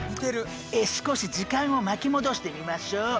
少し時間を巻き戻してみましょう。